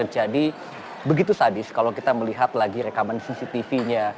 jadi begitu sadis kalau kita melihat lagi rekaman cctv nya